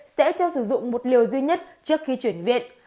sẽ cho sử dụng một liều duy nhất trước khi chuyển viện